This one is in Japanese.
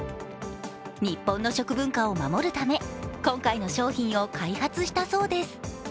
日本の食文化を守るため、今回の商品を開発したそうです。